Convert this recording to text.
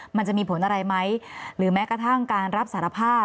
มันจะมีผลอะไรไหมหรือแม้กระทั่งการรับสารภาพ